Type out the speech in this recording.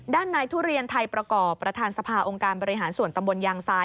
ด้านในทุเรียนไทยประกอบประธานสภาองค์การบริหารส่วนตำบลยางซ้าย